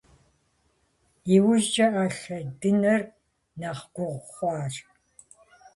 Иужькӏэ, ӏэлъэ дыныр нэхъ гугъу хъуащ.